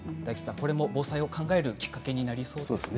防災を考えるきっかけになりそうですね。